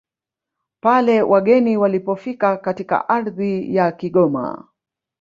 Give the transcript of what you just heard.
pale wageni walipofika katika ardhi ya Kigoma